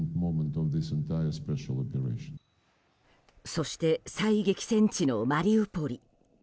そして最激戦地のマリウポリ。